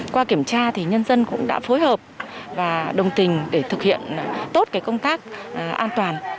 qua kiểm tra thì nhân dân cũng đã phối hợp và đồng tình để thực hiện tốt công tác an toàn